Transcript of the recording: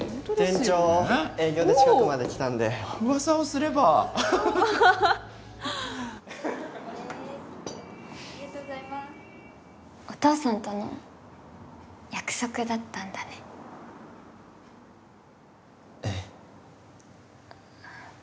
店長営業で近くまで来たんで噂をすればハハッお父さんとの約束だったんだねえっ？